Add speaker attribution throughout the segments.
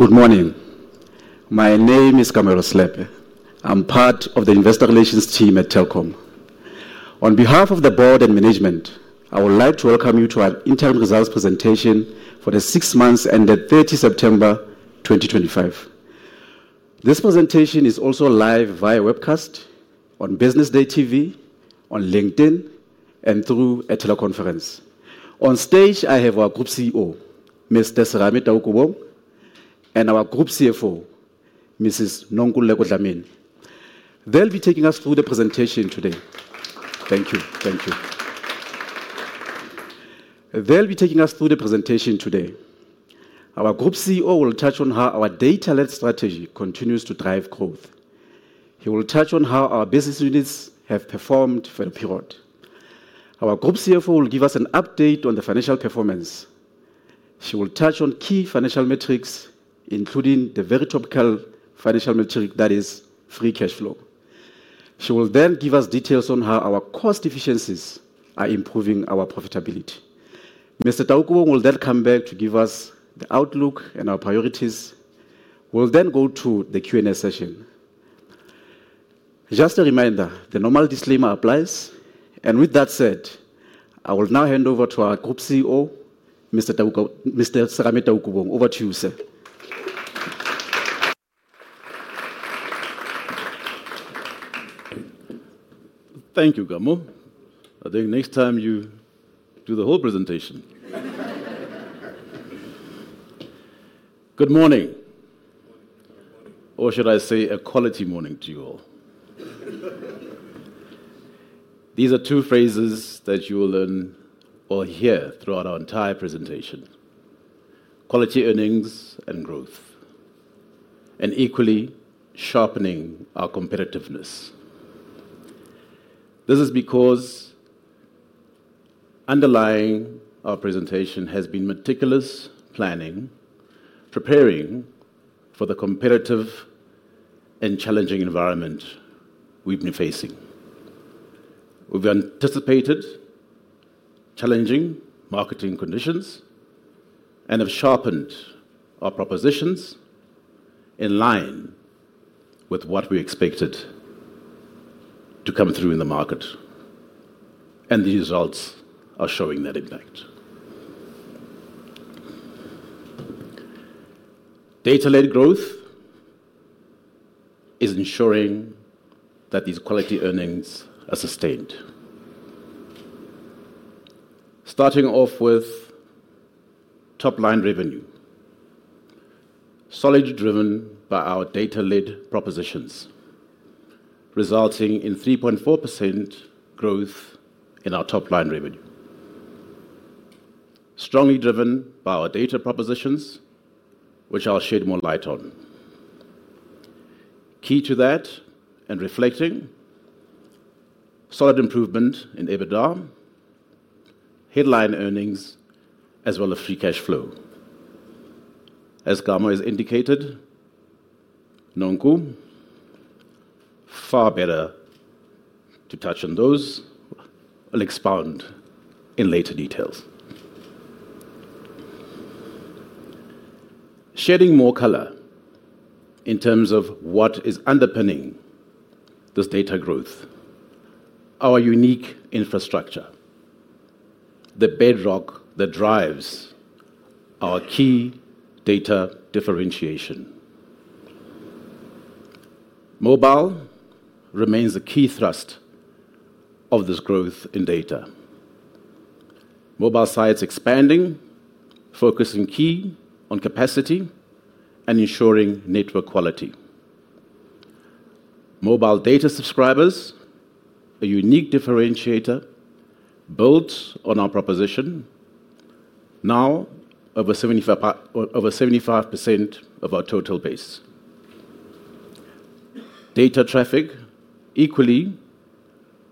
Speaker 1: Good morning. My name is Kamohelo Selepe. I'm part of the Investor Relations team at Telkom. On behalf of the board and management, I would like to welcome you to our internal results presentation for the six months ended 30 September 2025. This presentation is also live via webcast on Business Day TV, on LinkedIn, and through a teleconference. On stage, I have our Group CEO, Mr. Serame Taukobong, and our Group CFO, Mrs. Nonkululeko Dlamini. They'll be taking us through the presentation today. Thank you. Our Group CEO will touch on how our data-led strategy continues to drive growth. He will touch on how our business units have performed for the period. Our Group CFO will give us an update on the financial performance. She will touch on key financial metrics, including the very topical financial metric that is free cash flow. She will then give us details on how our cost efficiencies are improving our profitability. Mr. Taukobong will then come back to give us the outlook and our priorities. We will then go to the Q&A session. Just a reminder, the normal disclaimer applies. With that said, I will now hand over to our Group CEO, Mr. Serame Taukobong. Over to you, sir.
Speaker 2: Thank you, Kamo. I think next time you do the whole presentation. Good morning. Or should I say a quality morning to you all? These are two phrases that you will learn or hear throughout our entire presentation: quality earnings and growth, and equally sharpening our competitiveness. This is because underlying our presentation has been meticulous planning, preparing for the competitive and challenging environment we have been facing. We have anticipated challenging marketing conditions and have sharpened our propositions in line with what we expected to come through in the market. These results are showing that impact. Data-led growth is ensuring that these quality earnings are sustained. Starting off with top-line revenue, solidly driven by our data-led propositions, resulting in 3.4% growth in our top-line revenue, strongly driven by our data propositions, which I will shed more light on. Key to that and reflecting solid improvement in EBITDA, headline earnings, as well as free cash flow. As Kamo has indicated, Nonkul, far better to touch on those. I'll expound in later details. Shedding more color in terms of what is underpinning this data growth, our unique infrastructure, the bedrock that drives our key data differentiation. Mobile remains a key thrust of this growth in data. Mobile sites expanding, focusing key on capacity and ensuring network quality. Mobile data subscribers, a unique differentiator built on our proposition, now over 75% of our total base. Data traffic equally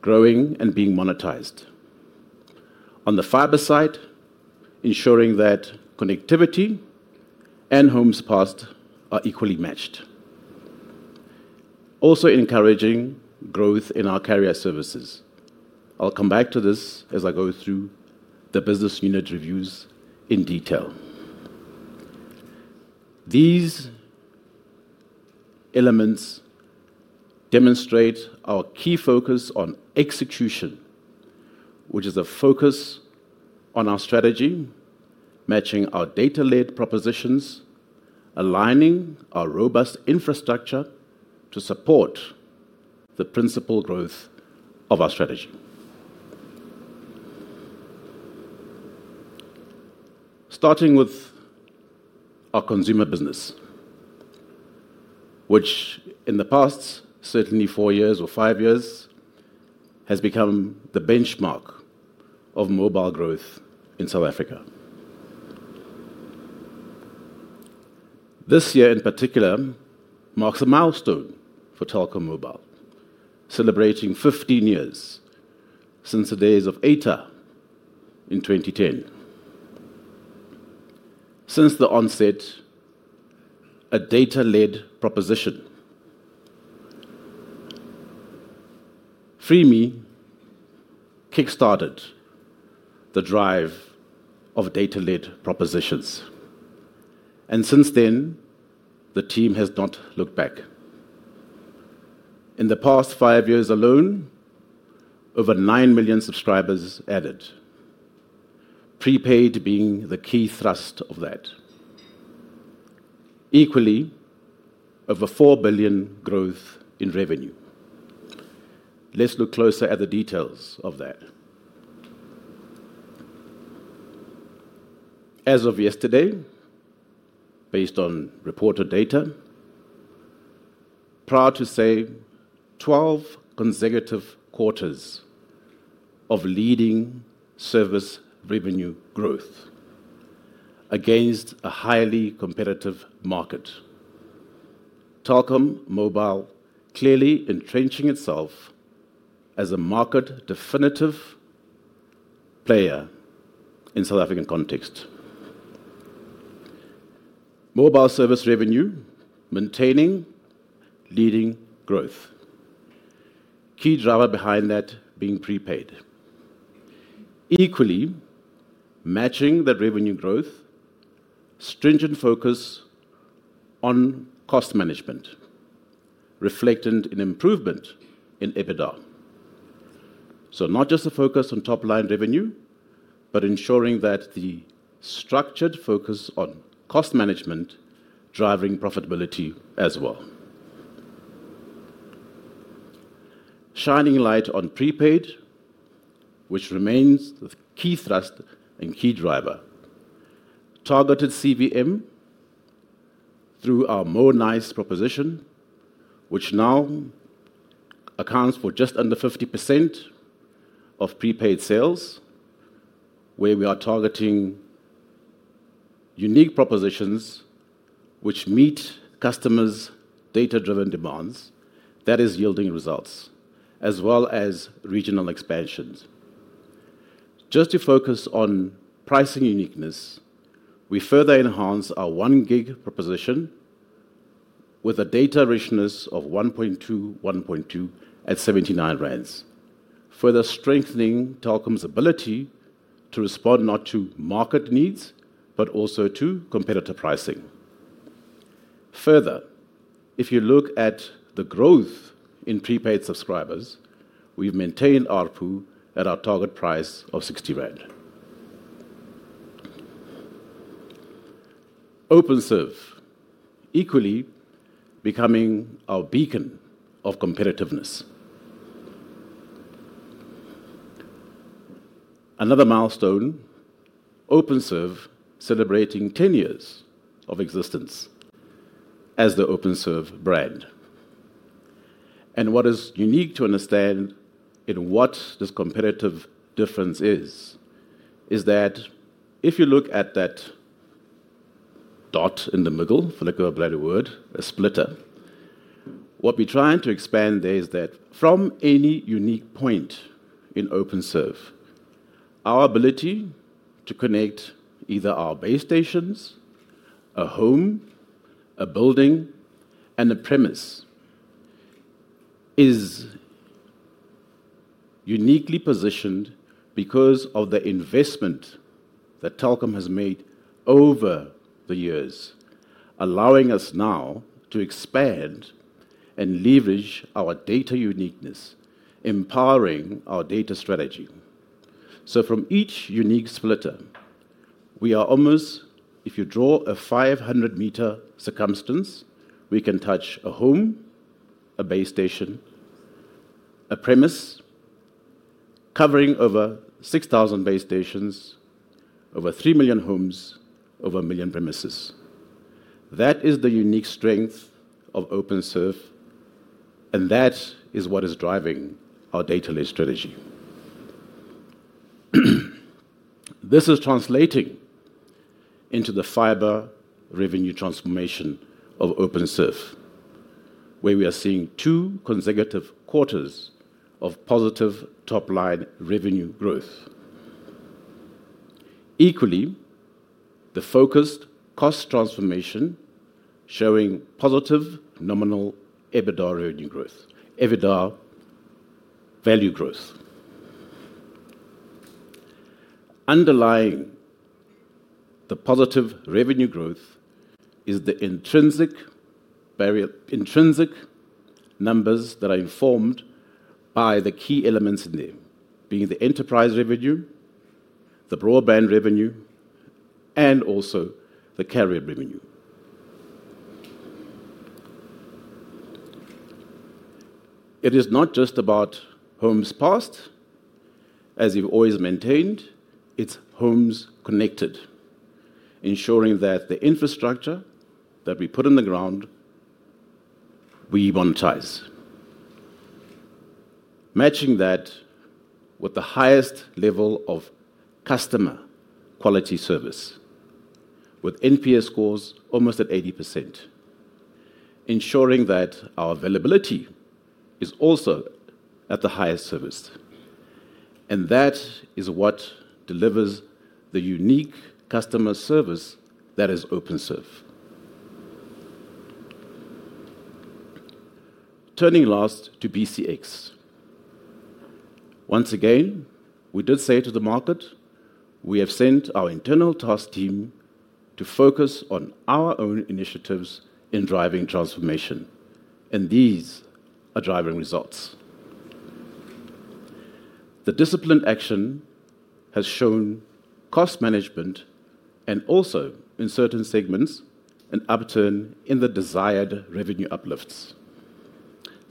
Speaker 2: growing and being monetized. On the fiber side, ensuring that connectivity and home support are equally matched. Also encouraging growth in our carrier services. I'll come back to this as I go through the business unit reviews in detail. These elements demonstrate our key focus on execution, which is a focus on our strategy, matching our data-led propositions, aligning our robust infrastructure to support the principal growth of our strategy. Starting with our consumer business, which in the past, certainly four years or five years, has become the benchmark of mobile growth in South Africa. This year in particular marks a milestone for Telkom Mobile, celebrating 15 years since the days of 8ta in 2010. Since the onset, a data-led proposition. FreeMe kickstarted the drive of data-led propositions. Since then, the team has not looked back. In the past five years alone, over 9 million subscribers added, prepaid being the key thrust of that. Equally, over 4 billion growth in revenue. Let's look closer at the details of that. As of yesterday, based on reported data, prior to, say, 12 consecutive quarters of leading service revenue growth against a highly competitive market. Telkom Mobile clearly entrenching itself as a market definitive player in South African context. Mobile service revenue maintaining leading growth. Key driver behind that being prepaid. Equally matching that revenue growth, stringent focus on cost management, reflecting an improvement in EBITDA. Not just a focus on top-line revenue, but ensuring that the structured focus on cost management driving profitability as well. Shining light on prepaid, which remains the key thrust and key driver. Targeted CVM through our Monice proposition, which now accounts for just under 50% of prepaid sales, where we are targeting unique propositions which meet customers' data-driven demands that is yielding results, as well as regional expansions. Just to focus on pricing uniqueness, we further enhance our 1 GB proposition with a data richness of 1.2, 1.2 at 79 rand, further strengthening Telkom's ability to respond not to market needs, but also to competitor pricing. Further, if you look at the growth in prepaid subscribers, we've maintained our pool at our target price of 60 rand. Openserve, equally becoming our beacon of competitiveness. Another milestone, Openserve celebrating 10 years of existence as the Openserve brand. What is unique to understand in what this competitive difference is, is that if you look at that dot in the middle, for lack of a better word, a splitter, what we are trying to expand there is that from any unique point in Openserve, our ability to connect either our base stations, a home, a building, and a premise is uniquely positioned because of the investment that Telkom has made over the years, allowing us now to expand and leverage our data uniqueness, empowering our data strategy. From each unique splitter, we are almost, if you draw a 500 m circumference, we can touch a home, a base station, a premise covering over 6,000 base stations, over 3 million homes, over 1 million premises. That is the unique strength of Openserve, and that is what is driving our data-led strategy. This is translating into the fiber revenue transformation of Openserve, where we are seeing two consecutive quarters of positive top-line revenue growth. Equally, the focused cost transformation showing positive nominal EBITDA revenue growth, EBITDA value growth. Underlying the positive revenue growth is the intrinsic numbers that are informed by the key elements in there, being the enterprise revenue, the broadband revenue, and also the carrier revenue. It is not just about home's past, as you've always maintained. It is home's connected, ensuring that the infrastructure that we put on the ground, we monetize. Matching that with the highest level of customer quality service, with NPS scores almost at 80%, ensuring that our availability is also at the highest service. That is what delivers the unique customer service that is Openserve. Turning last to BCX. Once again, we did say to the market, we have sent our internal task team to focus on our own initiatives in driving transformation. These are driving results. The disciplined action has shown cost management and also, in certain segments, an upturn in the desired revenue uplifts.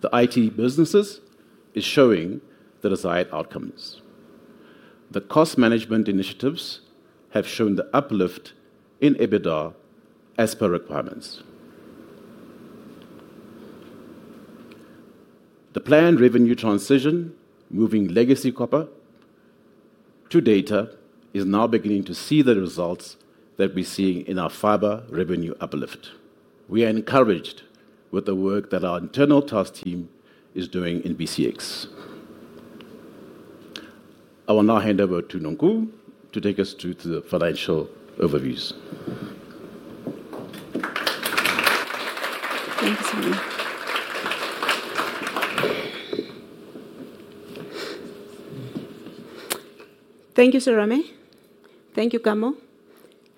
Speaker 2: The IT businesses are showing the desired outcomes. The cost management initiatives have shown the uplift in EBITDA as per requirements. The planned revenue transition, moving legacy copper to data, is now beginning to see the results that we're seeing in our fiber revenue uplift. We are encouraged with the work that our internal task team is doing in BCX. I will now hand over to Nonkul to take us through the financial overviews.
Speaker 3: Thanks, Serame. Thank you, Serame. Thank you, Kamo.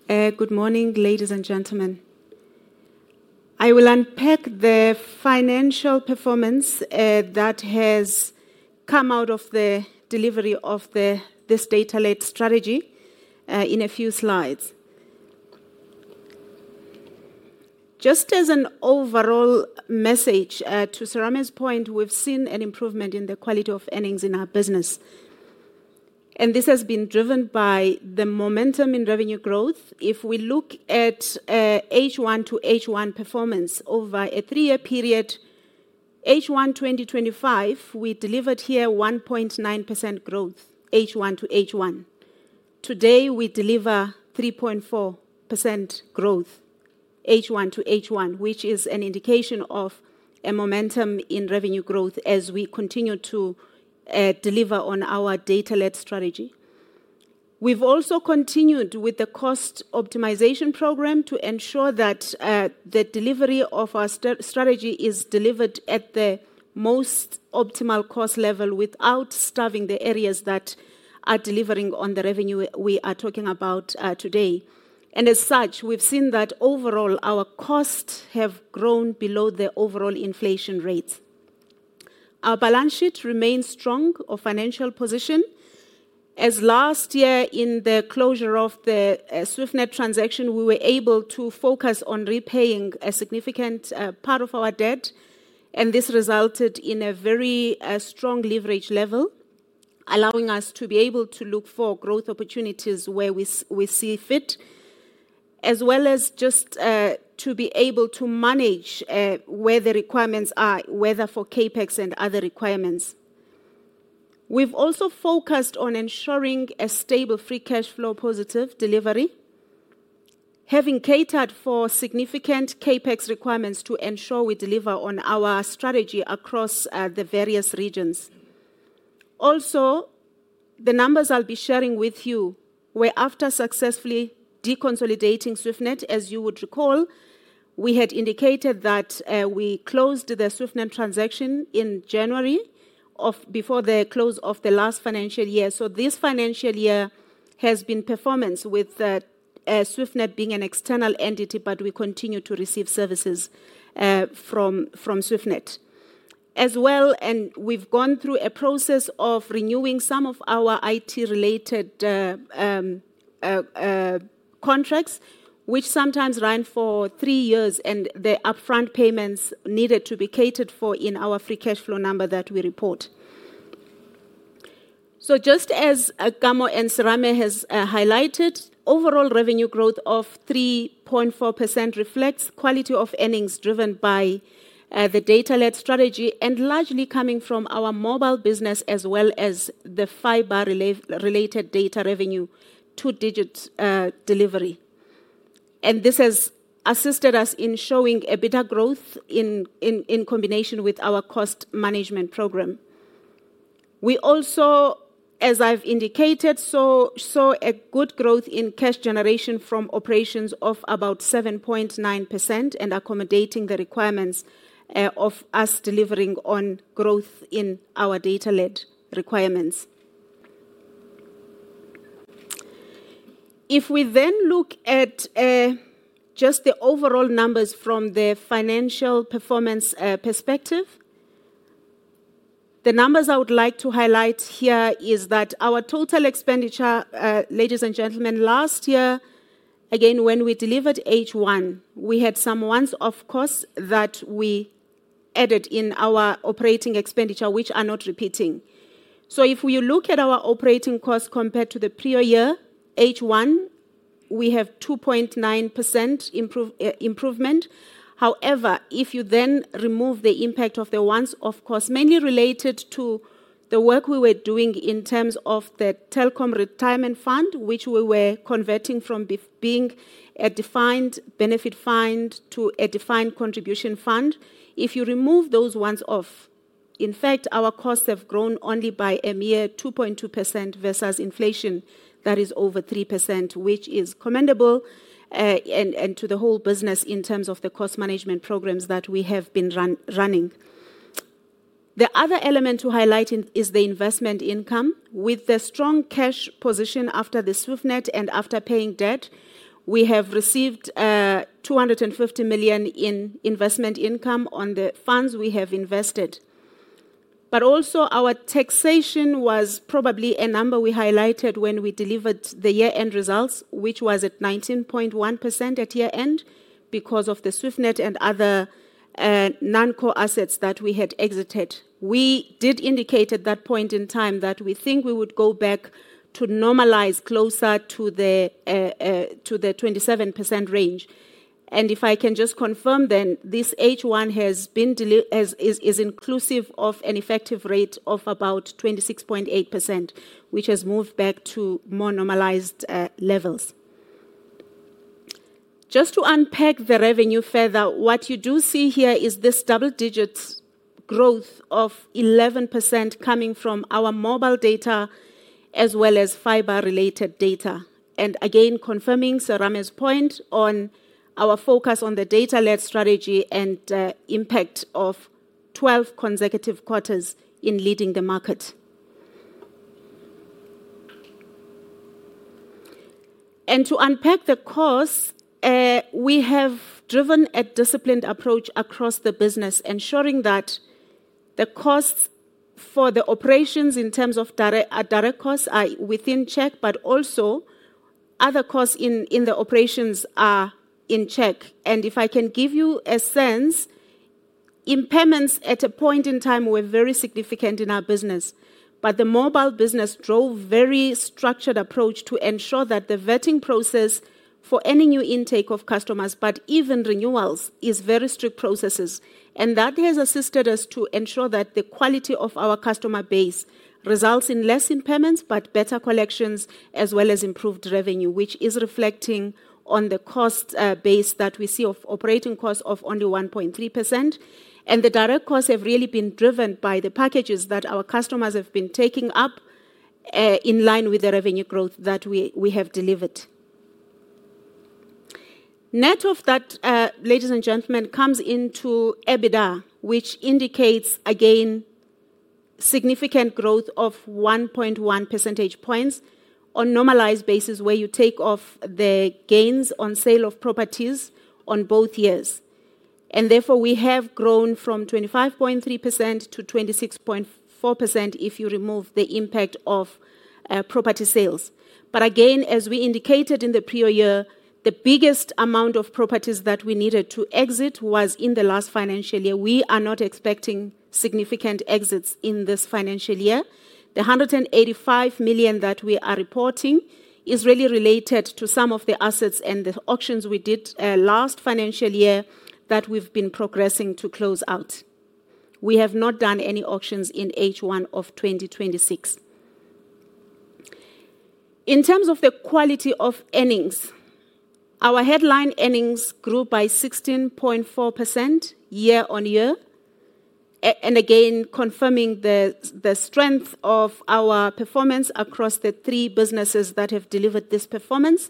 Speaker 3: Good morning, ladies and gentlemen. I will unpack the financial performance that has come out of the delivery of this data-led strategy in a few slides. Just as an overall message to Serame's point, we've seen an improvement in the quality of earnings in our business. This has been driven by the momentum in revenue growth. If we look at H1 to H1 performance over a three-year period, H1 2025, we delivered here 1.9% growth, H1 to H1. Today, we deliver 3.4% growth, H1 to H1, which is an indication of a momentum in revenue growth as we continue to deliver on our data-led strategy. We've also continued with the cost optimization program to ensure that the delivery of our strategy is delivered at the most optimal cost level without starving the areas that are delivering on the revenue we are talking about today. As such, we've seen that overall our costs have grown below the overall inflation rates. Our balance sheet remains strong of financial position. As last year in the closure of the Swiftnet transaction, we were able to focus on repaying a significant part of our debt. This resulted in a very strong leverage level, allowing us to be able to look for growth opportunities where we see fit, as well as just to be able to manage where the requirements are, whether for CapEx and other requirements. We've also focused on ensuring a stable free cash flow positive delivery, having catered for significant CapEx requirements to ensure we deliver on our strategy across the various regions. Also, the numbers I'll be sharing with you were after successfully deconsolidating Swiftnet, as you would recall, we had indicated that we closed the Swiftnet transaction in January before the close of the last financial year. This financial year has been performance with Swiftnet being an external entity, but we continue to receive services from Swiftnet as well, and we've gone through a process of renewing some of our IT-related contracts, which sometimes run for three years, and the upfront payments needed to be catered for in our free cash flow number that we report. Just as Kamo and Serame has highlighted, overall revenue growth of 3.4% reflects quality of earnings driven by the data-led strategy and largely coming from our mobile business as well as the fiber-related data revenue two-digit delivery. This has assisted us in showing EBITDA growth in combination with our cost management program. We also, as I've indicated, saw good growth in cash generation from operations of about 7.9% and accommodating the requirements of us delivering on growth in our data-led requirements. If we then look at just the overall numbers from the financial performance perspective, the numbers I would like to highlight here is that our total expenditure, ladies and gentlemen, last year, again, when we delivered H1, we had some ones, of course, that we added in our operating expenditure, which are not repeating. If we look at our operating costs compared to the previous year, H1, we have a 2.9% improvement. However, if you then remove the impact of the ones, of course, mainly related to the work we were doing in terms of the Telkom Retirement Fund, which we were converting from being a defined benefit fund to a defined contribution fund, if you remove those ones off, in fact, our costs have grown only by a mere 2.2% versus inflation that is over 3%, which is commendable and to the whole business in terms of the cost management programs that we have been running. The other element to highlight is the investment income. With the strong cash position after the Swiftnet and after paying debt, we have received 250 million in investment income on the funds we have invested. Also, our taxation was probably a number we highlighted when we delivered the year-end results, which was at 19.1% at year-end because of the Swiftnet and other non-core assets that we had exited. We did indicate at that point in time that we think we would go back to normalize closer to the 27% range. If I can just confirm then, this H1 has been inclusive of an effective rate of about 26.8%, which has moved back to more normalized levels. Just to unpack the revenue further, what you do see here is this double-digit growth of 11% coming from our mobile data as well as fibre-related data. Again, confirming Serame's point on our focus on the data-led strategy and impact of 12 consecutive quarters in leading the market. To unpack the costs, we have driven a disciplined approach across the business, ensuring that the costs for the operations in terms of direct costs are within check, but also other costs in the operations are in check. If I can give you a sense, impairments at a point in time were very significant in our business. The mobile business drove a very structured approach to ensure that the vetting process for any new intake of customers, but even renewals, is very strict processes. That has assisted us to ensure that the quality of our customer base results in less impairments, but better collections, as well as improved revenue, which is reflecting on the cost base that we see of operating cost of only 1.3%. The direct costs have really been driven by the packages that our customers have been taking up in line with the revenue growth that we have delivered. Net of debt, ladies and gentlemen, comes into EBITDA, which indicates, again, significant growth of 1.1 percentage points on a normalized basis where you take off the gains on sale of properties on both years. We have grown from 25.3% to 26.4% if you remove the impact of property sales. As we indicated in the previous year, the biggest amount of properties that we needed to exit was in the last financial year. We are not expecting significant exits in this financial year. The 185 million that we are reporting is really related to some of the assets and the auctions we did last financial year that we have been progressing to close out. We have not done any auctions in H1 of 2026. In terms of the quality of earnings, our headline earnings grew by 16.4% year-on-year. Again, confirming the strength of our performance across the three businesses that have delivered this performance.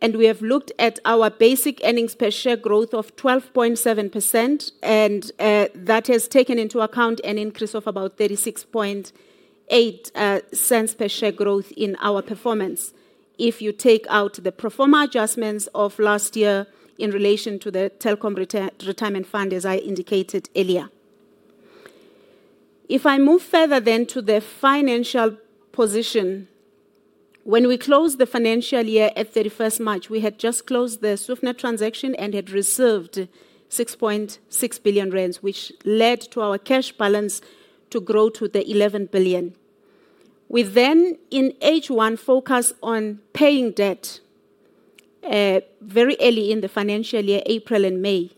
Speaker 3: We have looked at our basic earnings per share growth of 12.7%. That has taken into account an increase of about 36.8% per share growth in our performance if you take out the pro forma adjustments of last year in relation to the Telkom Retirement Fund, as I indicated earlier. If I move further then to the financial position, when we closed the financial year at 31st March, we had just closed the Swiftnet transaction and had reserved 6.6 billion rand, which led to our cash balance to grow to the 11 billion. We then in H1 focused on paying debt very early in the financial year, April and May.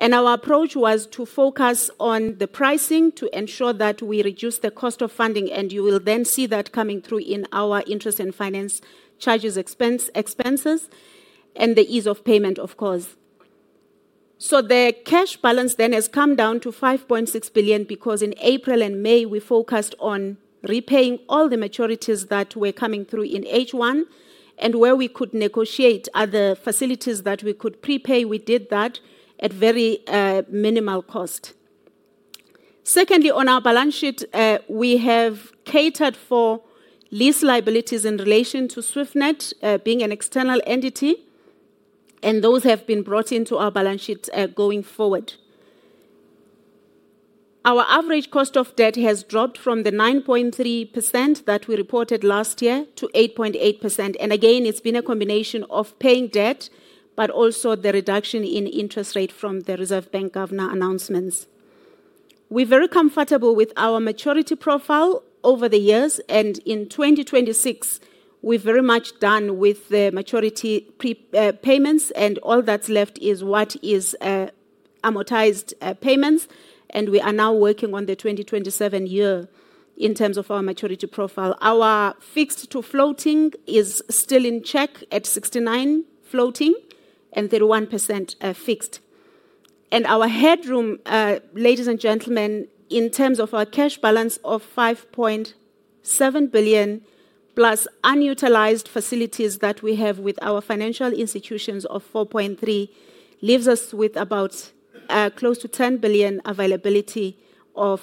Speaker 3: Our approach was to focus on the pricing to ensure that we reduce the cost of funding. You will then see that coming through in our interest and finance charges expenses and the ease of payment, of course. The cash balance then has come down to 5.6 billion because in April and May, we focused on repaying all the maturities that were coming through in H1. Where we could negotiate other facilities that we could prepay, we did that at very minimal cost. Secondly, on our balance sheet, we have catered for lease liabilities in relation to Swiftnet being an external entity. Those have been brought into our balance sheet going forward. Our average cost of debt has dropped from the 9.3% that we reported last year to 8.8%. It has been a combination of paying debt, but also the reduction in interest rate from the Reserve Bank governor announcements. We are very comfortable with our maturity profile over the years. In 2026, we are very much done with the maturity payments. All that is left is what is amortized payments. We are now working on the 2027 year in terms of our maturity profile. Our fixed to floating is still in check at 69% floating and 31% fixed. Our headroom, ladies and gentlemen, in terms of our cash balance of 5.7 billion+ unutilized facilities that we have with our financial institutions of 4.3 billion, leaves us with about close to 10 billion availability of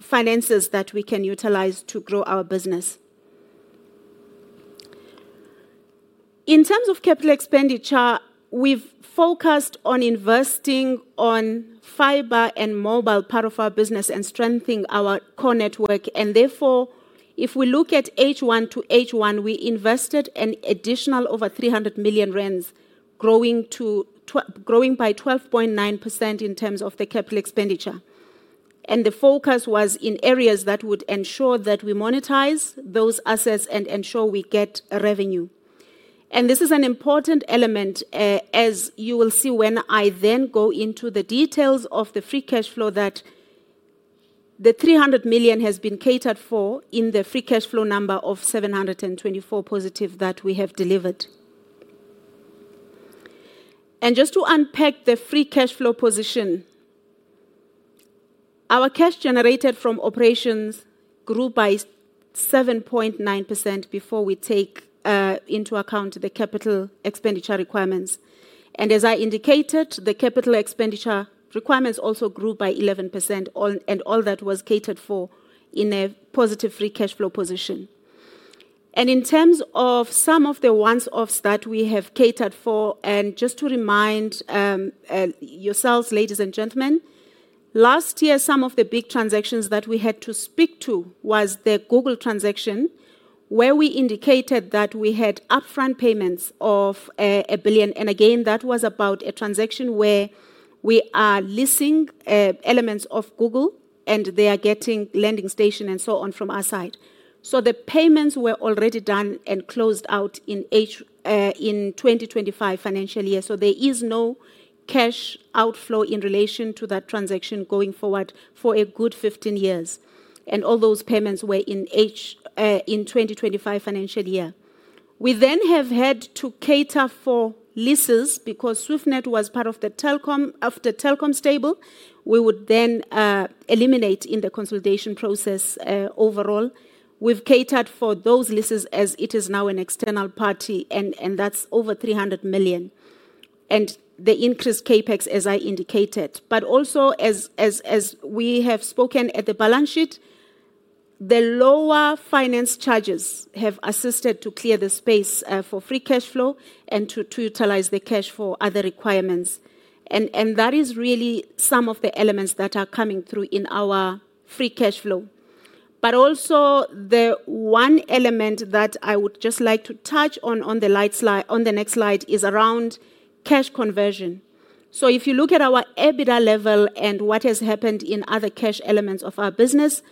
Speaker 3: finances that we can utilize to grow our business. In terms of capital expenditure, we've focused on investing on fiber and mobile part of our business and strengthening our core network. Therefore, if we look at H1 to H1, we invested an additional over 300 million rand growing by 12.9% in terms of the capital expenditure. The focus was in areas that would ensure that we monetize those assets and ensure we get revenue. This is an important element, as you will see when I then go into the details of the free cash flow that the 300 million has been catered for in the free cash flow number of 724 million positive that we have delivered. Just to unpack the free cash flow position, our cash generated from operations grew by 7.9% before we take into account the capital expenditure requirements. As I indicated, the capital expenditure requirements also grew by 11%. All that was catered for in a positive free cash flow position. In terms of some of the one-offs that we have catered for, and just to remind yourselves, ladies and gentlemen, last year, some of the big transactions that we had to speak to was the Google transaction where we indicated that we had upfront payments of 1 billion. That was about a transaction where we are leasing elements of Google and they are getting landing station and so on from our side. The payments were already done and closed out in the 2025 financial year. There is no cash outflow in relation to that transaction going forward for a good 15 years. All those payments were in the 2025 financial year. We then have had to cater for leases because Swiftnet was part of the Telkom stable. We would then eliminate in the consolidation process overall. We have catered for those leases as it is now an external party. That is over 300 million. The increased CapEx, as I indicated. Also, as we have spoken at the balance sheet, the lower finance charges have assisted to clear the space for free cash flow and to utilize the cash for other requirements. That is really some of the elements that are coming through in our free cash flow. The one element that I would just like to touch on on the next slide is around cash conversion. If you look at our EBITDA level and what has happened in other cash elements of our business,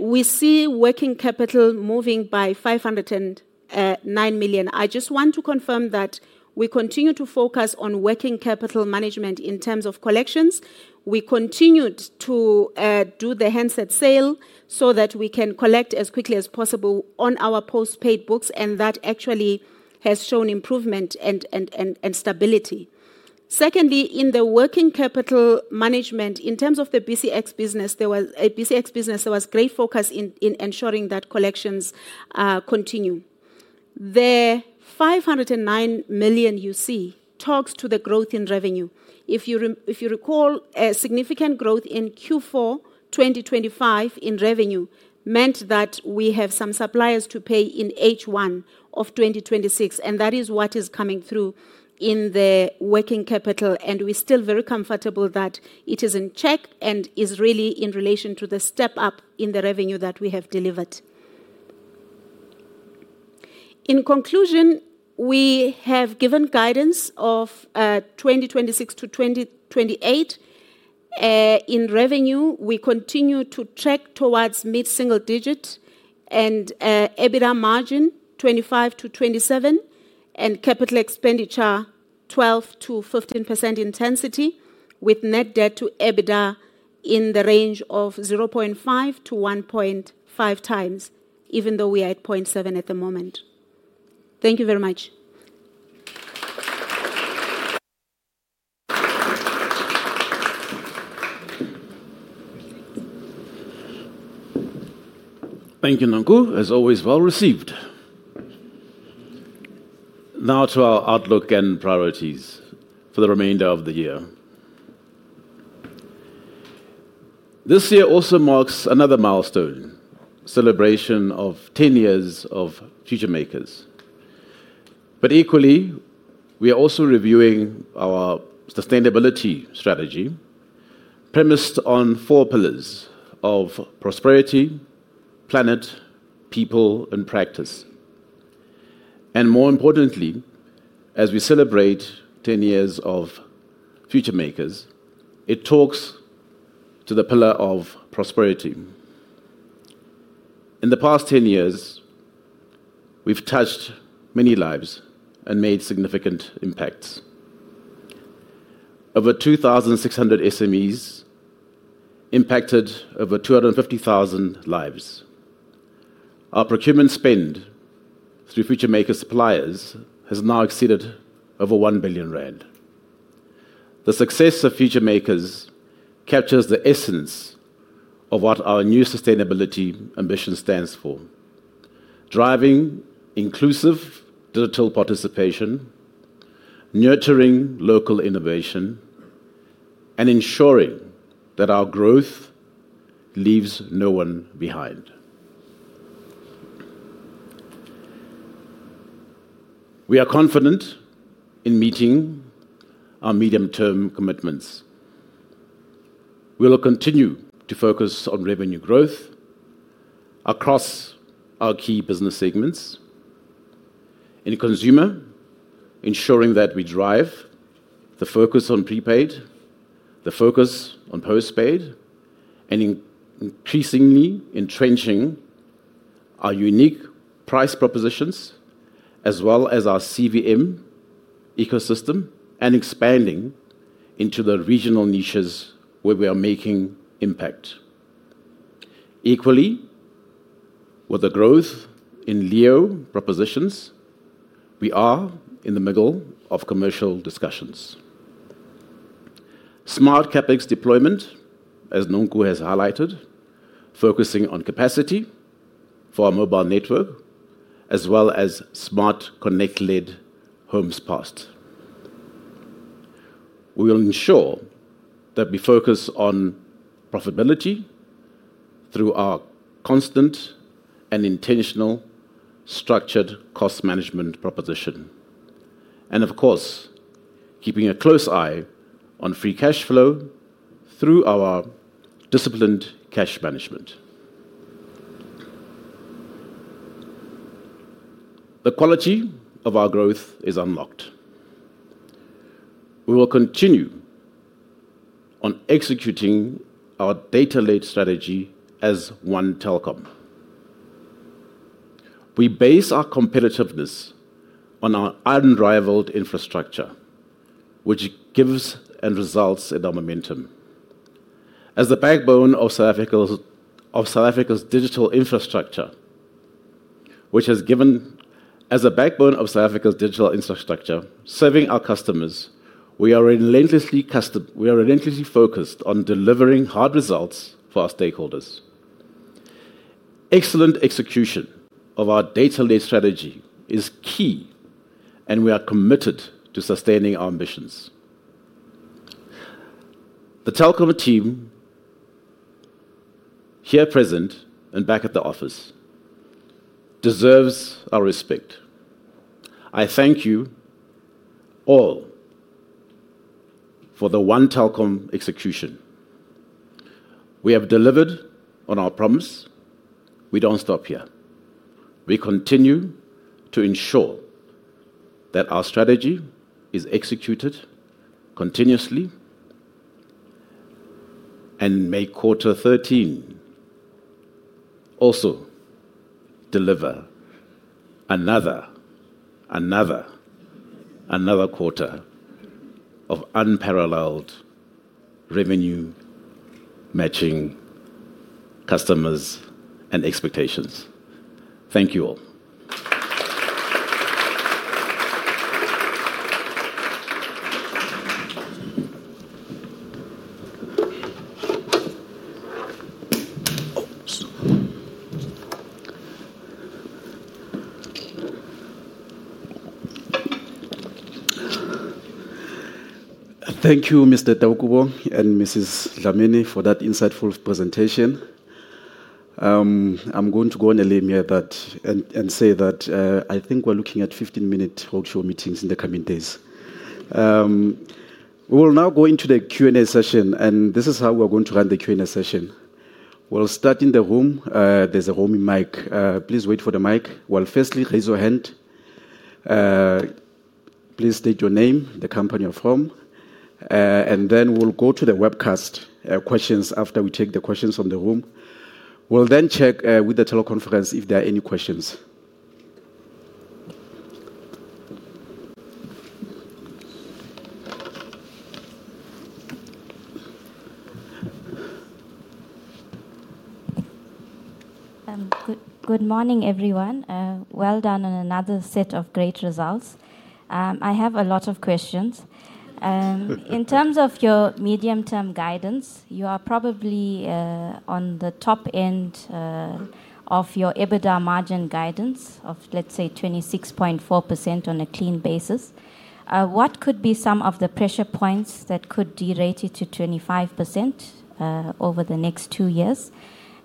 Speaker 3: we see working capital moving by 509 million. I just want to confirm that we continue to focus on working capital management in terms of collections. We continued to do the handset sale so that we can collect as quickly as possible on our post-paid books. That actually has shown improvement and stability. Secondly, in the working capital management, in terms of the BCX business, there was a BCX business that was great focus in ensuring that collections continue. The 509 million you see talks to the growth in revenue. If you recall, a significant growth in Q4 2025 in revenue meant that we have some suppliers to pay in H1 of 2026. That is what is coming through in the working capital. We are still very comfortable that it is in check and is really in relation to the step up in the revenue that we have delivered. In conclusion, we have given guidance of 2026 to 2028. In revenue, we continue to track towards mid-single digit and EBITDA margin 25%-27% and capital expenditure 12%-15% intensity with net debt to EBITDA in the range of 0.5x-1.5x, even though we are at 0.7x at the moment. Thank you very much.
Speaker 2: Thank you, Nonkul. As always, well received. Now to our outlook and priorities for the remainder of the year. This year also marks another milestone, celebration of 10 years of FutureMakers. Equally, we are also reviewing our sustainability strategy premised on four pillars of prosperity, planet, people, and practice. More importantly, as we celebrate 10 years of FutureMakers, it talks to the pillar of prosperity. In the past 10 years, we've touched many lives and made significant impacts. Over 2,600 SMEs impacted, over 250,000 lives. Our procurement spend through FutureMakers suppliers has now exceeded over 1 billion rand. The success of FutureMakers captures the essence of what our new sustainability ambition stands for: driving inclusive digital participation, nurturing local innovation, and ensuring that our growth leaves no one behind. We are confident in meeting our medium-term commitments. We will continue to focus on revenue growth across our key business segments and consumer, ensuring that we drive the focus on prepaid, the focus on postpaid, and increasingly entrenching our unique price propositions, as well as our CVM ecosystem, and expanding into the regional niches where we are making impact. Equally, with the growth in Leo propositions, we are in the middle of commercial discussions. Smart CapEx deployment, as Nonkul has highlighted, focusing on capacity for our mobile network, as well as smart connect-led homes passed. We will ensure that we focus on profitability through our constant and intentional structured cost management proposition. Of course, keeping a close eye on free cash flow through our disciplined cash management. The quality of our growth is unlocked. We will continue on executing our data-led strategy as one Telkom. We base our competitiveness on our unrivaled infrastructure, which gives and results in our momentum. As the backbone of South Africa's digital infrastructure, which has given as a backbone of South Africa's digital infrastructure serving our customers, we are relentlessly focused on delivering hard results for our stakeholders. Excellent execution of our data-led strategy is key, and we are committed to sustaining our ambitions. The Telkom team here present and back at the office deserves our respect. I thank you all for the one Telkom execution. We have delivered on our promise. We don't stop here. We continue to ensure that our strategy is executed continuously and may quarter 13 also deliver another quarter of unparalleled revenue matching customers and expectations. Thank you all.
Speaker 1: Thank you, Mr. Taukobong and Mrs. Dlamini, for that insightful presentation. I'm going to go on a limb here and say that I think we're looking at 15-minute talk show meetings in the coming days. We will now go into the Q&A session, and this is how we're going to run the Q&A session. We'll start in the room. There's a room mic. Please wait for the mic. Firstly, raise your hand. Please state your name, the company you're from. Then we'll go to the webcast questions after we take the questions from the room. We'll then check with the teleconference if there are any questions. Good morning, everyone. Well done on another set of great results. I have a lot of questions. In terms of your medium-term guidance, you are probably on the top end of your EBITDA margin guidance of, let's say, 26.4% on a clean basis. What could be some of the pressure points that could derate it to 25% over the next two years?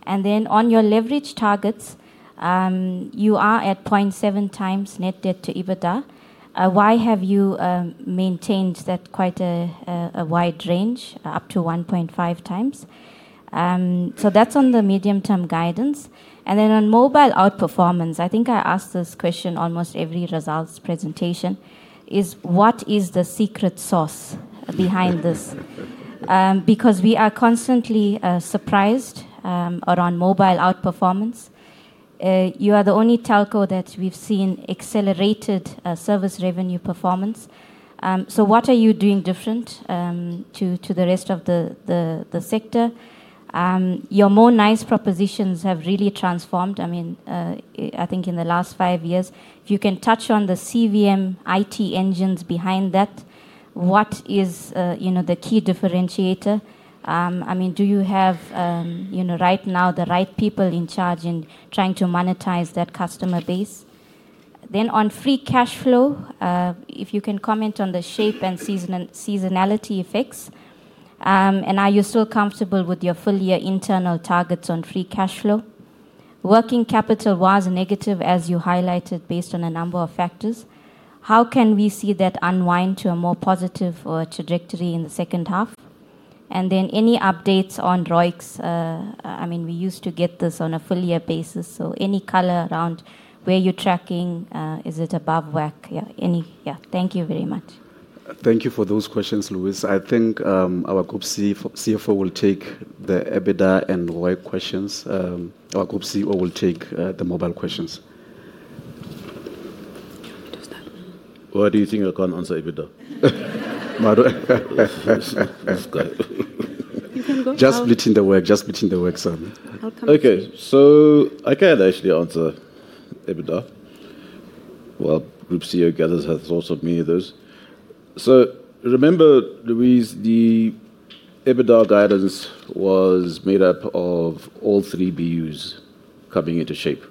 Speaker 1: On your leverage targets, you are at 0.7x net debt to EBITDA. Why have you maintained that quite a wide range, up to 1.5x? That is on the medium-term guidance. On mobile outperformance, I think I ask this question almost every results presentation, what is the secret sauce behind this? We are constantly surprised around mobile outperformance. You are the only teleco that we've seen accelerated service revenue performance. What are you doing different to the rest of the sector? Your Monice propositions have really transformed. I mean, I think in the last five years, if you can touch on the CVM IT engines behind that, what is the key differentiator? I mean, do you have right now the right people in charge in trying to monetize that customer base? On free cash flow, if you can comment on the shape and seasonality effects. Are you still comfortable with your full-year internal targets on free cash flow? Working capital was negative, as you highlighted, based on a number of factors. How can we see that unwind to a more positive trajectory in the second half? Any updates on ROICs? I mean, we used to get this on a full-year basis. Any color around where you're tracking? Is it above WACC? Yeah, thank you very much. Thank you for those questions, Luis. I think our Group CFO will take the EBITDA and ROIC questions. Our Group CEO will take the mobile questions.
Speaker 2: What, do you think I can't answer EBITDA?
Speaker 3: You can go.
Speaker 2: Just between the work, sir.
Speaker 3: Okay.
Speaker 2: I can actually answer EBITDA. Group CEO gathers his thoughts on many of those. Remember, Luis, the EBITDA guidance was made up of all three BUs coming into shape.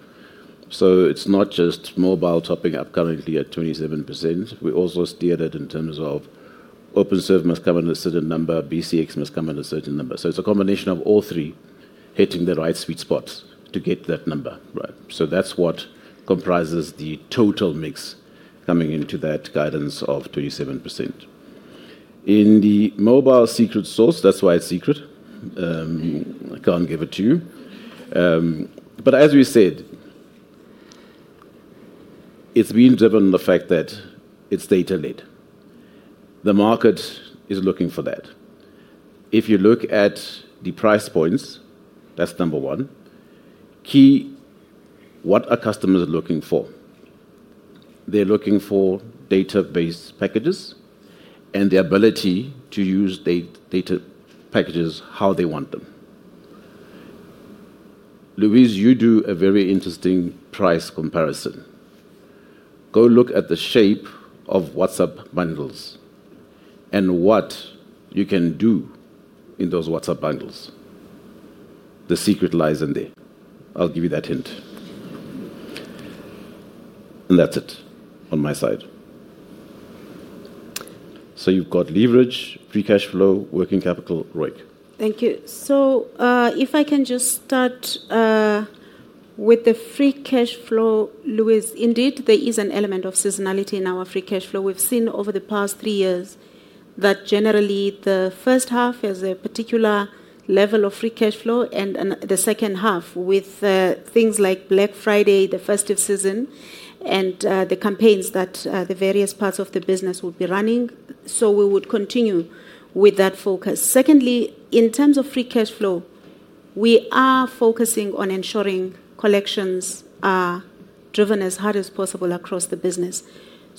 Speaker 2: It's not just mobile topping up currently at 27%. We also steered it in terms of Openserve must come in at a certain number, BCX must come in at a certain number. It's a combination of all three hitting the right sweet spots to get that number, right? That's what comprises the total mix coming into that guidance of 27%. In the mobile secret sauce, that's why it's secret. I can't give it to you. But as we said, it's been driven on the fact that it's data-led. The market is looking for that. If you look at the price points, that's number one. Key, what are customers looking for? They're looking for data-based packages and the ability to use data packages how they want them. Luis, you do a very interesting price comparison. Go look at the shape of WhatsApp bundles and what you can do in those WhatsApp bundles. The secret lies in there. I'll give you that hint. That's it on my side. You have leverage, free cash flow, working capital, ROIC.
Speaker 3: Thank you. If I can just start with the free cash flow, Luis, indeed, there is an element of seasonality in our free cash flow. We've seen over the past three years that generally the first half is a particular level of free cash flow and the second half with things like Black Friday, the festive season, and the campaigns that the various parts of the business would be running. We would continue with that focus. Secondly, in terms of free cash flow, we are focusing on ensuring collections are driven as hard as possible across the business.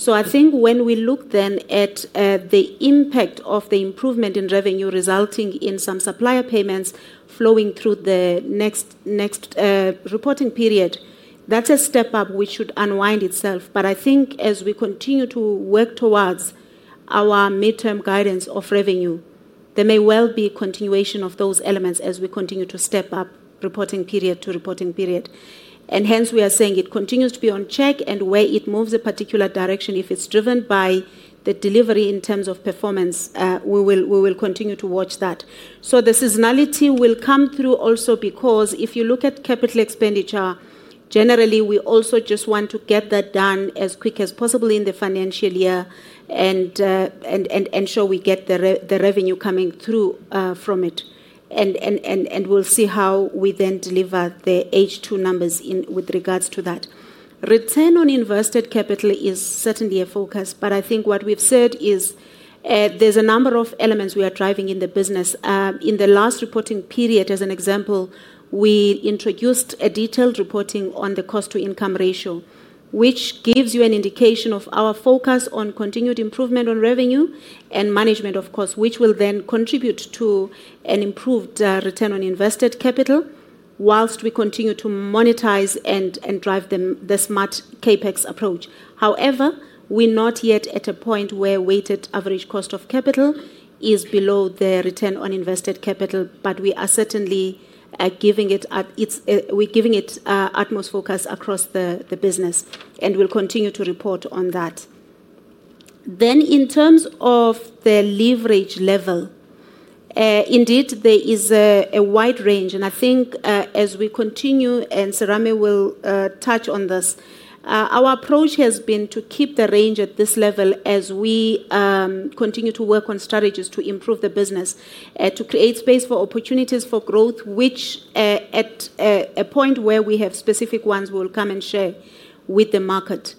Speaker 3: I think when we look then at the impact of the improvement in revenue resulting in some supplier payments flowing through the next reporting period, that's a step up which should unwind itself. I think as we continue to work towards our midterm guidance of revenue, there may well be continuation of those elements as we continue to step up reporting period to reporting period. We are saying it continues to be on check and where it moves a particular direction, if it is driven by the delivery in terms of performance, we will continue to watch that. The seasonality will come through also because if you look at capital expenditure, generally we also just want to get that done as quick as possible in the financial year and ensure we get the revenue coming through from it. We will see how we then deliver the H2 numbers with regards to that. Return on invested capital is certainly a focus, but I think what we have said is there is a number of elements we are driving in the business. In the last reporting period, as an example, we introduced a detailed reporting on the cost-to-income ratio, which gives you an indication of our focus on continued improvement on revenue and management, of course, which will then contribute to an improved return on invested capital whilst we continue to monetize and drive the smart CapEx approach. However, we're not yet at a point where weighted average cost of capital is below the return on invested capital, but we are certainly giving it atmospheric focus across the business and we'll continue to report on that. In terms of the leverage level, indeed, there is a wide range. I think as we continue, and Serame will touch on this, our approach has been to keep the range at this level as we continue to work on strategies to improve the business, to create space for opportunities for growth, which at a point where we have specific ones, we will come and share with the market.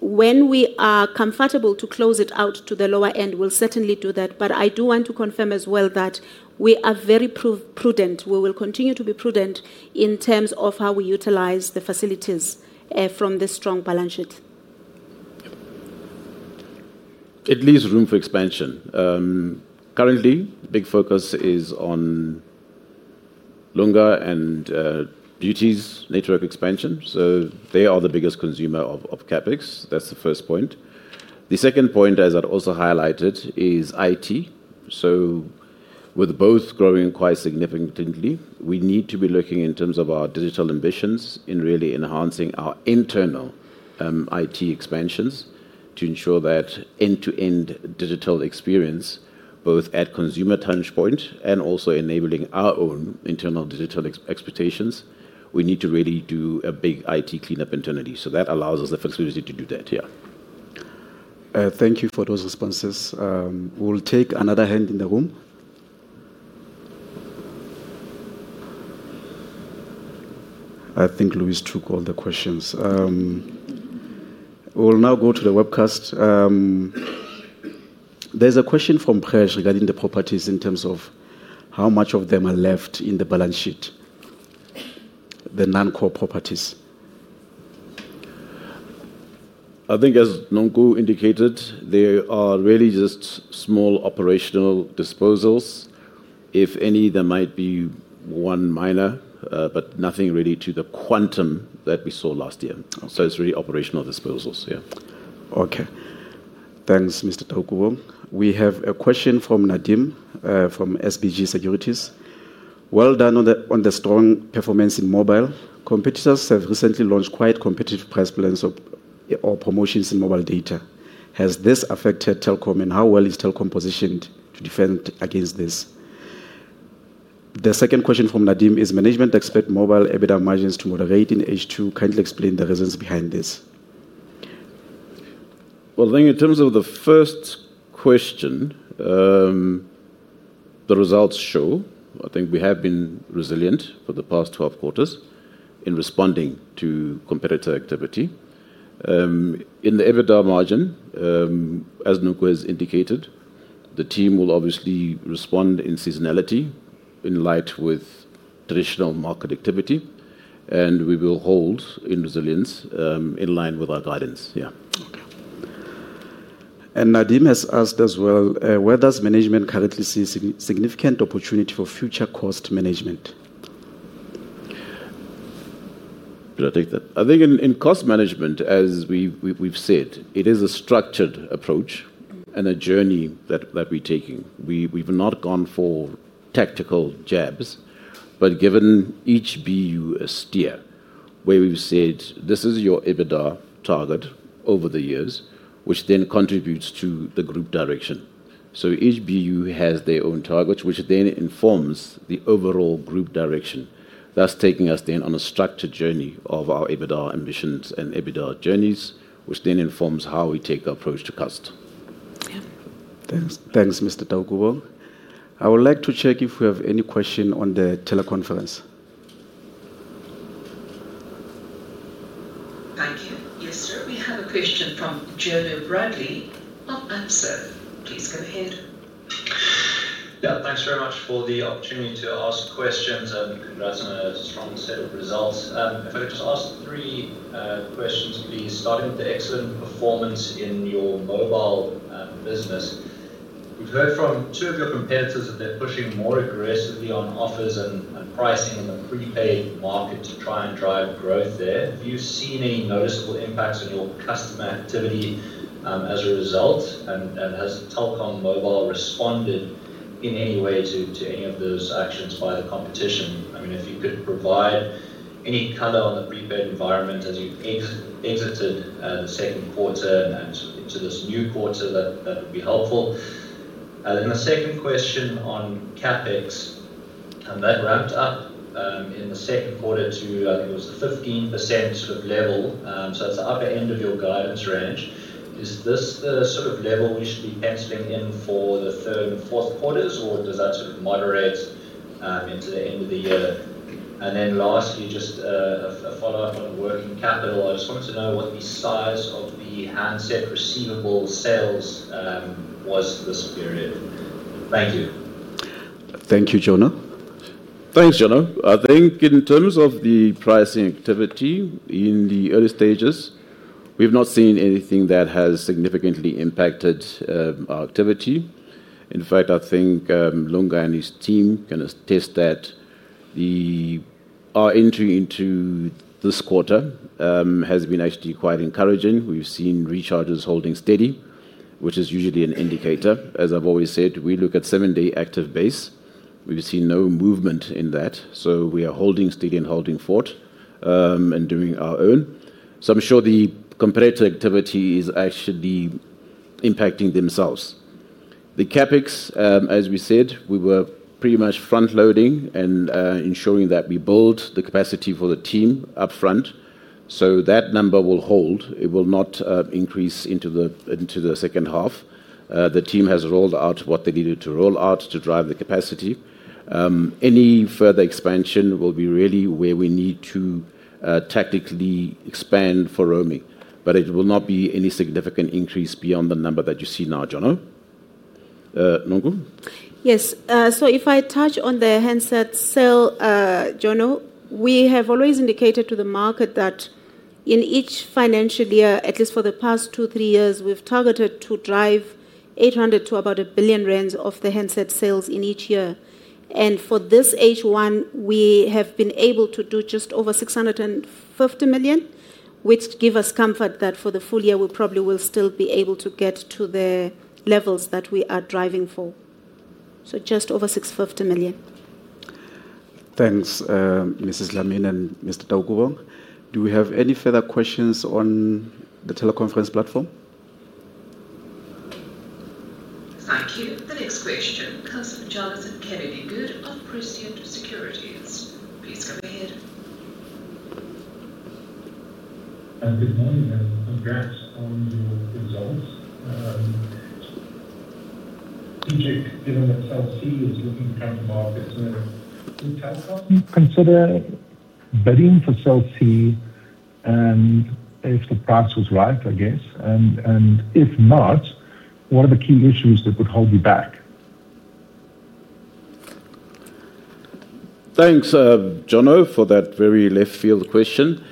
Speaker 3: When we are comfortable to close it out to the lower end, we will certainly do that. I do want to confirm as well that we are very prudent. We will continue to be prudent in terms of how we utilize the facilities from the strong balance sheet.
Speaker 2: It leaves room for expansion. Currently, big focus is on Lunga and duties network expansion. They are the biggest consumer of CapEx. That is the first point. The second point, as I had also highlighted, is IT. With both growing quite significantly, we need to be looking in terms of our digital ambitions in really enhancing our internal IT expansions to ensure that end-to-end digital experience, both at consumer touchpoint and also enabling our own internal digital expectations, we need to really do a big IT cleanup internally. That allows us the flexibility to do that here.
Speaker 1: Thank you for those responses. We'll take another hand in the room. I think Luis took all the questions. We'll now go to the webcast. There's a question from Perge regarding the properties in terms of how much of them are left in the balance sheet, the non-core properties.
Speaker 2: I think as Nonkul indicated, they are really just small operational disposals. If any, there might be one minor, but nothing really to the quantum that we saw last year. It's really operational disposals, yeah.
Speaker 1: Okay. Thanks, Mr. Taukobong. We have a question from Nadim from SBG Securities. Well done on the strong performance in mobile. Competitors have recently launched quite competitive price plans or promotions in mobile data. Has this affected Telkom, and how well is Telkom positioned to defend against this? The second question from Nadim is does management expect mobile EBITDA margins to moderate in H2? Kindly explain the reasons behind this.
Speaker 2: I think in terms of the first question, the results show I think we have been resilient for the past 12 quarters in responding to competitor activity. In the EBITDA margin, as Nonkul has indicated, the team will obviously respond in seasonality in line with traditional market activity, and we will hold in resilience in line with our guidance, yeah.
Speaker 1: Okay. Nadim has asked as well, where does management currently see significant opportunity for future cost management?
Speaker 2: Should I take that? I think in cost management, as we've said, it is a structured approach and a journey that we're taking. We've not gone for tactical jabs, but given each BU a steer where we've said, this is your EBITDA target over the years, which then contributes to the group direction. So each BU has their own targets, which then informs the overall group direction. That's taking us then on a structured journey of our EBITDA ambitions and EBITDA journeys, which then informs how we take our approach to cost.
Speaker 1: Thanks, Mr. Taukobong. I would like to check if we have any question on the teleconference.
Speaker 4: Thank you. Yes, sir. We have a question from Jonah Brady of AMSO. Please go ahead. Yeah, thanks very much for the opportunity to ask questions. Congrats on a strong set of results. If I could just ask three questions, please, starting with the excellent performance in your mobile business. We've heard from two of your competitors that they're pushing more aggressively on offers and pricing on the prepaid market to try and drive growth there. Have you seen any noticeable impacts on your customer activity as a result? Has Telkom Mobile responded in any way to any of those actions by the competition? I mean, if you could provide any color on the prepaid environment as you've exited the second quarter and into this new quarter, that would be helpful. The second question on CapEx, and that ramped up in the second quarter to, I think it was the 15% sort of level. It is the upper end of your guidance range. Is this the sort of level we should be penciling in for the third and fourth quarters, or does that sort of moderate into the end of the year? Lastly, just a follow-up on working capital. I just wanted to know what the size of the handset receivable sales was for this period. Thank you.
Speaker 2: Thank you, Jonah. Thanks, Jonah. I think in terms of the pricing activity in the early stages, we've not seen anything that has significantly impacted our activity. In fact, I think Lunga and his team can attest that our entry into this quarter has been actually quite encouraging. We've seen recharges holding steady, which is usually an indicator. As I've always said, we look at seven-day active base. We've seen no movement in that. We are holding steady and holding forward and doing our own. I'm sure the competitor activity is actually impacting themselves. The CapEx, as we said, we were pretty much front-loading and ensuring that we build the capacity for the team upfront. That number will hold. It will not increase into the second half. The team has rolled out what they needed to roll out to drive the capacity. Any further expansion will be really where we need to tactically expand for roaming. It will not be any significant increase beyond the number that you see now, Jonah. Nonkul?
Speaker 3: Yes. If I touch on the handset sale, Jonah, we have always indicated to the market that in each financial year, at least for the past two, three years, we've targeted to drive 800 million to about 1 billion rand of the handset sales in each year. For this H1, we have been able to do just over 650 million, which gives us comfort that for the full year, we probably will still be able to get to the levels that we are driving for. Just over 650 million.
Speaker 1: Thanks, Ms. Dlamini and Mr. Taukobong. Do we have any further questions on the teleconference platform?
Speaker 4: Thank you. The next question comes from Jonathan Kennedy-Good of Prescient Securities. Please go ahead.
Speaker 5: Good morning and congrats on your results. TJ, given that Cell C is looking to come to market, would Telkom consider bidding for Cell C if the price was right, I guess? If not, what are the key issues that would hold you back?
Speaker 2: Thanks, Jona, for that very left-field question.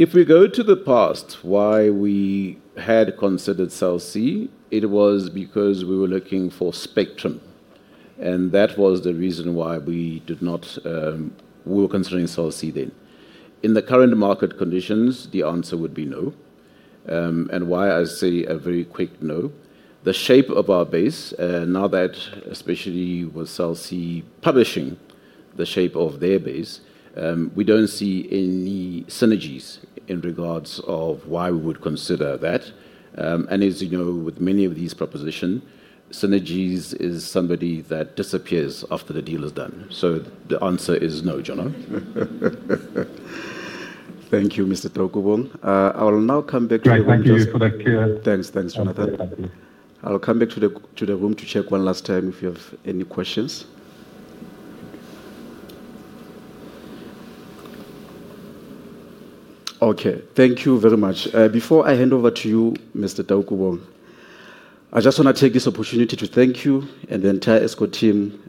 Speaker 2: If we go to the past, why we had considered Cell C, it was because we were looking for spectrum. That was the reason why we did not consider Cell C then. In the current market conditions, the answer would be no. Why I say a very quick no? The shape of our base, now that especially with Cell C publishing the shape of their base, we do not see any synergies in regards of why we would consider that. As you know, with many of these propositions, synergies is somebody that disappears after the deal is done. The answer is no, Jona.
Speaker 1: Thank you, Mr. Taukobong. I will now come back to the room. Thank you.
Speaker 2: Thanks, Jonathan. I will come back to the room to check one last time if you have any questions.
Speaker 1: Okay. Thank you very much. Before I hand over to you, Mr. Taukobong, I just want to take this opportunity to thank you and the entire ESCO team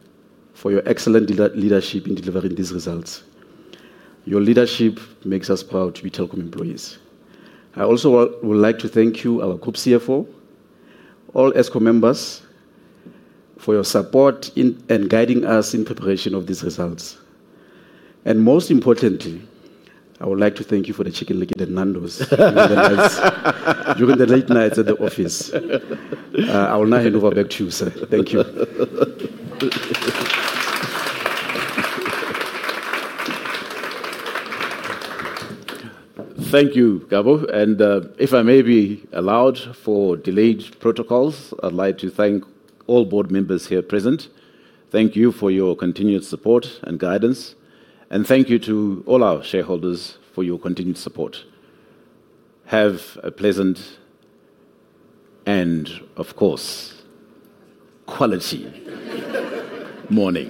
Speaker 1: for your excellent leadership in delivering these results. Your leadership makes us proud to be Telkom employees. I also would like to thank you, our Group CFO, all executive members for your support and guiding us in preparation of these results. Most importantly, I would like to thank you for the chicken-leg Nando's during the late nights at the office. I will now hand over back to you, sir. Thank you.
Speaker 2: Thank you, Kamo. If I may be allowed for delayed protocols, I would like to thank all board members here present. Thank you for your continued support and guidance. Thank you to all our shareholders for your continued support. Have a pleasant and, of course, quality morning.